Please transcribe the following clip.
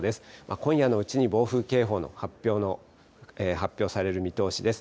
今夜のうちに暴風警報の発表される見通しです。